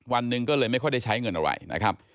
วันหนึ่งก็เลยไม่ค่อยได้ใช้เงินอะไรนะครับ